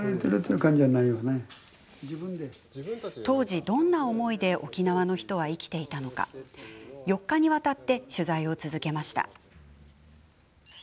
当時どんな思いで沖縄の人は生きていたのか４日にわたって取材を続けました。